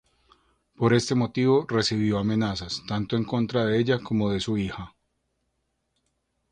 Por este motivo recibió amenazas, tanto en contra de ella como de su hija.